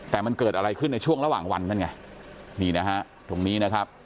แต่มันเกิดอะไรขึ้นในช่วงระหว่างวันนั่นไงนี่นะฮะตรงนี้นะครับ